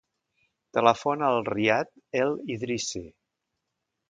Telefona al Riad El Idrissi.